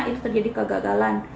itu terjadi kegagalan